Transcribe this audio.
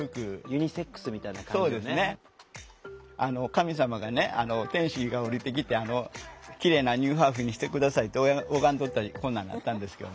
神様がね天使が降りてきて「きれいなニューハーフにして下さい」って拝んどったらこんなんなったんですけど。